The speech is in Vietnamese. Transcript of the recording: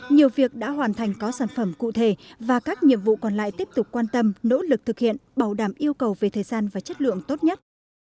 nhiều việc đã hoàn thành có sản phẩm cụ thể và các nhiệm vụ còn lại tiếp tục quan tâm nỗ lực thực hiện bảo đảm yêu cầu về thời gian và chất lượng tốt nhất